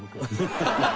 ハハハハ！